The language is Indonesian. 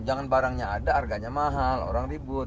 jangan barangnya ada harganya mahal orang ribut